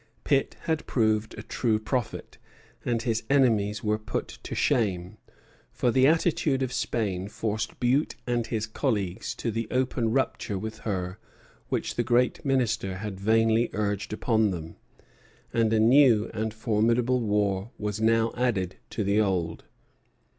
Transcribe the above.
Pitt had proved a true prophet, and his enemies were put to shame; for the attitude of Spain forced Bute and his colleagues to the open rupture with her which the great Minister had vainly urged upon them; and a new and formidable war was now added to the old.